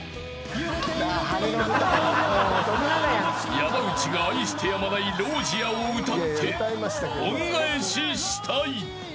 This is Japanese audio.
［山内が愛してやまない『ＲＯＳＩＥＲ』を歌って恩返ししたい］